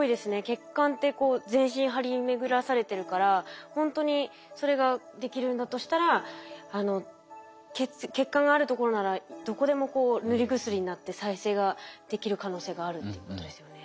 血管ってこう全身張り巡らされてるからほんとにそれができるんだとしたら血管があるところならどこでも塗り薬になって再生ができる可能性があるっていうことですよね。